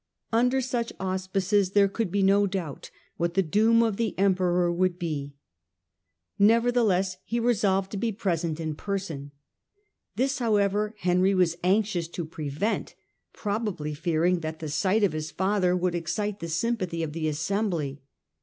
Under such auspices there could be no doubt what the doom of the emperor would be. Nevertheless he resolved to be present in person. T^is, however, Henry was anxious to prevent, probably fearing that the sight of his father would excite the sympathy of the assembly.